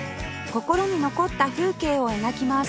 心に残った風景を描きます